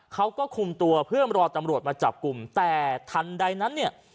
เขาก็คุมตัวเพื่อรอตำรวจมาจับกลุ่มแต่ทันใดนั้นเนี่ย